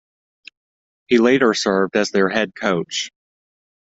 He later served as their head coach.